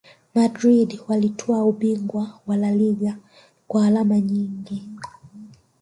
madrid walitwaa ubingwa wa laliga kwa alama nyingi